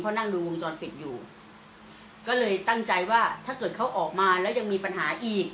นั่งดูวงจรปิดอยู่ก็เลยตั้งใจว่าถ้าเกิดเขาออกมาแล้วยังมีปัญหาอีก